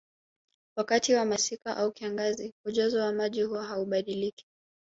Wakati wa masika au kiangazi ujazo wa maji huwa haubadiliki